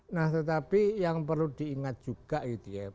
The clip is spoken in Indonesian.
nah tetapi yang perlu diingat juga gitu ya